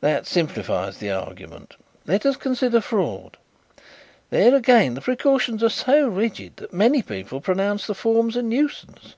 "That simplifies the argument. Let us consider fraud. There again the precautions are so rigid that many people pronounce the forms a nuisance.